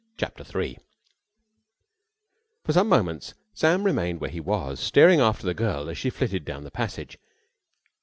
CHAPTER THREE For some moments Sam remained where he was staring after the girl as she flitted down the passage.